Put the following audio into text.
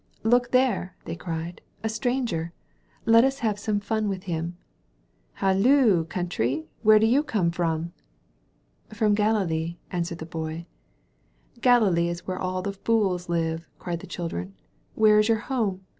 ''Look there," ihey cried — "a stranger! Let us have some fun with him. Halloo, Country, where do you come from?" "Prom Galilee," answered the Boy. "Galilee is where all the fools live," cried the children. "Where is your home?